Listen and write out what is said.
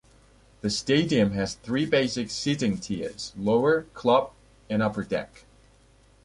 The stadium has three basic seating tiers: lower, club and upper deck.